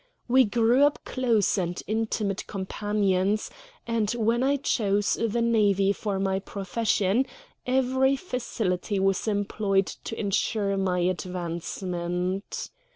We grew up close and intimate companions; and when I chose the navy for my profession every facility was employed to insure my advancement.